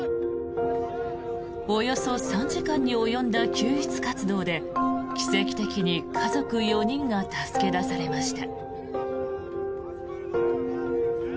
およそ３時間に及んだ救出活動で奇跡的に家族４人が助け出されました。